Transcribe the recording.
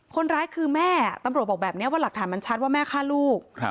คนร้ายคือแม่ตำรวจบอกแบบนี้ว่าหลักฐานมันชัดว่าแม่ฆ่าลูก